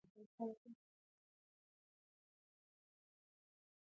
امیر پخپله سوانح عمري کې دغه حالت ډېر ښه بیان کړی دی.